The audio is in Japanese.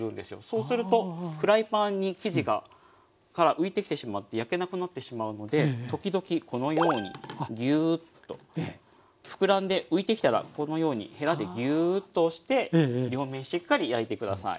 そうするとフライパンに生地がから浮いてきてしまって焼けなくなってしまうので時々このようにギュッとふくらんで浮いてきたらこのようにへらでギュッと押して両面しっかり焼いて下さい。